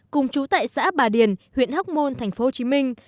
cùng chú tại xã bà điền huyện hóc môn thành phố hồ chí minh